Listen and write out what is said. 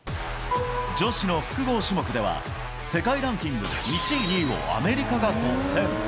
女子の複合種目では、世界ランキング１位、２位をアメリカが独占。